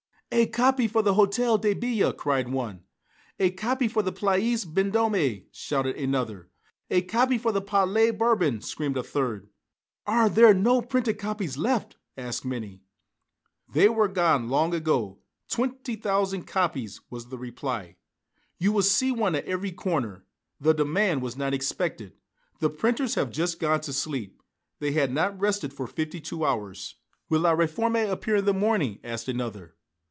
"A copy for the Hôtel de Ville!" cried one. "A copy for the Place Vendôme!" shouted another. "A copy for the Palais Bourbon!" screamed a third. "Are there no printed copies left?" asked many. "They were gone long ago twenty thousand copies," was the reply. "You will see one at every corner. The demand was not expected. The printers have just gone to sleep. They had not rested for fifty two hours." "Will 'La Réforme' appear in the morning?" asked another.